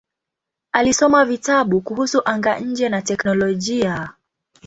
Alisoma vitabu kuhusu anga-nje na teknolojia.